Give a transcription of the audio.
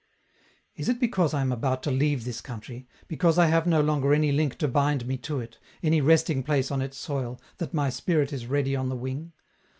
Is it because I am about to leave this country, because I have no longer any link to bind me to it, any resting place on its soil, that my spirit is ready on the wing?